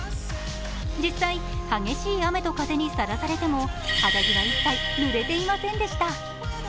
実際激しい雨と風にさらされても肌着は一切ぬれていませんでした。